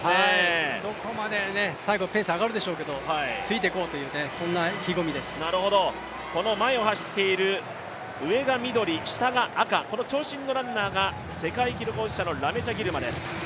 最後ペースが上がるでしょうけど、ついていこうというこの前を走っている上が緑、下が赤この長身のランナーが世界記録保持者のラメチャ・ギルマです。